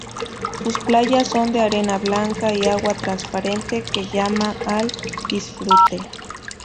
Sus playas son de arena blanca y agua transparente que llama al disfrute.